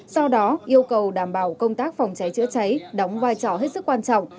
do đó yêu cầu đảm bảo công tác phòng cháy chữa cháy đóng vai trò hết sức quan trọng